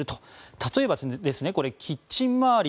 例えばキッチン周り